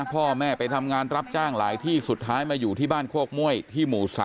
พ่อแม่ไปทำงานรับจ้างหลายที่สุดท้ายมาอยู่ที่บ้านโคกม่วยที่หมู่๓